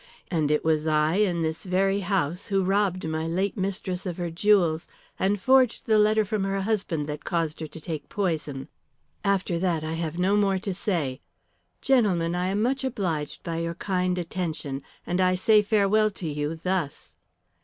And it was I in this very house who robbed my late mistress of her jewels and forged the letter from her husband that caused her to take poison. After that I have no more to say. Gentlemen, I am much obliged by your kind attention, and I say farewell to you, thus."